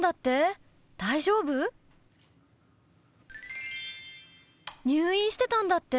大丈夫？入院してたんだって？